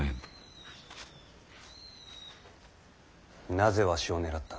なぜわしを狙った？